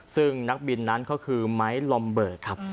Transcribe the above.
ซึ่งนักบินนั้นก็คือไม้ลอมเบิกครับ